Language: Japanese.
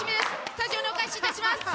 スタジオにお返しいたします。